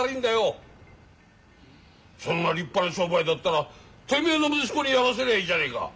そんな立派な商売だったらてめえの息子にやらせりゃいいじゃねえか。